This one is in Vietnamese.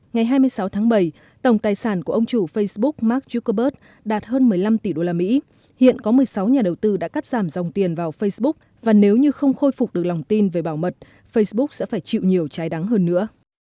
ngày hai mươi sáu tháng bảy tổng tài sản của ông chủ facebook mark zuckerberg đạt hơn một mươi năm tỷ usd hiện có một mươi sáu nhà đầu tư đã cắt giảm dòng tiền vào facebook và nếu như không khôi phục được lòng tin về bảo mật facebook sẽ phải chịu nhiều trái đắng hơn nữa